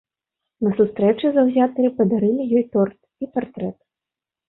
На сустрэчы заўзятары падарылі ёй торт і партрэт.